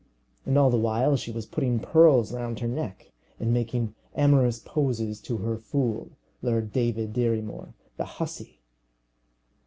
And all the while she was putting pearls round her neck, and making amorous poses to her fool, Lord David Dirry Moir; the hussy!